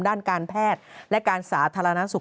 ด้านการแพทย์และการสาธารณสุข